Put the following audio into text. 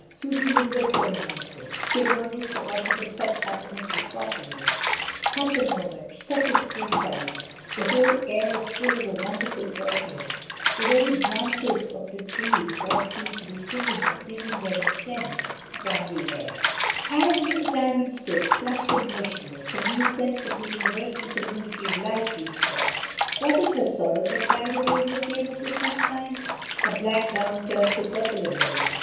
Susy lingered for an instant, she had almost forgotten that such happiness was possible — such a moment, such a ST. CLOtJD BEFOR£ THE STORM. 97 spring tide; the whole air was full of a wonderful perfume, the ver>' branches of the trees all seemed to be singing and flinging their incense upon the air. As Mrs. Dymond stood, flushed and motionless, a new sense of the universal community of life reached her, was it her sorrow that died away in the flame of the sunshine? Her black gown turned to purple in the light.